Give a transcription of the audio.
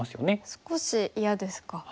少し嫌ですか。